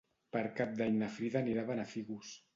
Per Cap d'Any na Frida anirà a Benafigos.